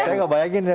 saya kebayangin ya